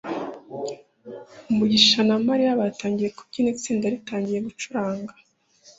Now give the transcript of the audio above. mugisha na mariya batangiye kubyina itsinda ritangiye gucuranga